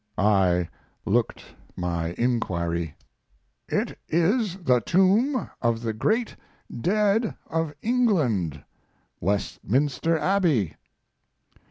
I looked my inquiry! "It is the tomb of the great dead of England Westminster Abbey."...